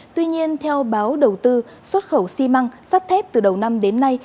tuy nhiên theo báo đầu tư xuất khẩu xi măng sắt thép từ đầu năm đến nay